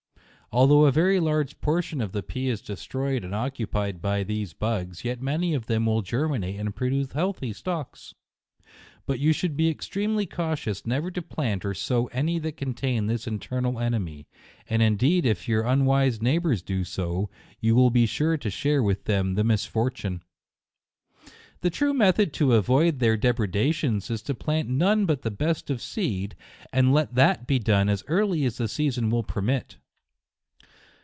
Although a very large portion of the pea is destroyed and oc cupied by these bugs, yet many of them will germinate, and produce healthy stalks. But you should be extremely cautious never to plant or sow any that contain this internal enemy ; and indeed if your unwise neigh bours do so, you will be sure to share with them the misfortune. The true method to avoid their depreda tions is to plant none but the best of seed, and let that be done as early as the season will permit.